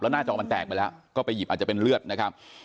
หน้าจอมันแตกไปแล้วก็ไปหยิบอาจจะเป็นเลือดนะครับ